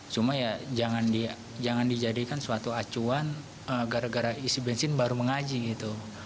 cuma ya jangan dijadikan suatu acuan gara gara isi bensin baru mengaji gitu